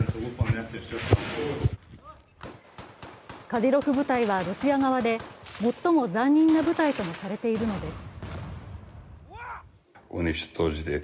カディロフ部隊はロシア側で最も残忍な部隊ともされているのです。